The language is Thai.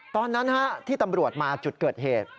ตอนนั้นที่ตำรวจมาจุดเกิดเหตุ